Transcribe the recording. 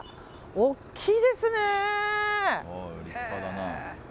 大きいですね！